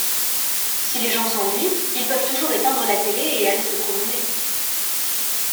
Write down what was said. Si les gens s’ennuient ils peuvent toujours éteindre la télé et aller se promener.